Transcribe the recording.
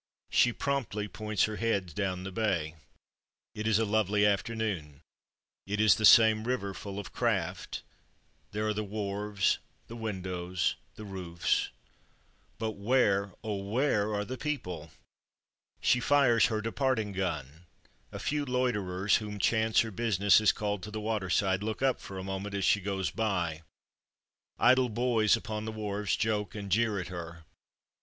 She promptly points her head down the bay. It is a lovely afternoon it is the same river full of craft there are the wharves, the windows, the roofs but where, oh! where are the people? She fires her departing gun. A few loiterers, whom chance or business has called to the water side, look up for a moment as she goes by. Idle boys upon the wharves joke and jeer at her.